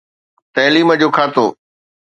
تعليم جو کاتو.